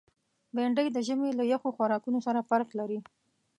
بېنډۍ د ژمي له یخو خوراکونو سره فرق لري